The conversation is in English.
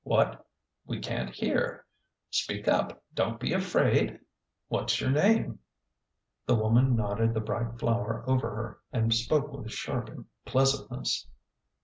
"What? We can't hear. Speak up; don't be afraid! What's your name ?" The woman nodded the bright flower over her, and spoke with sharp pleasantness.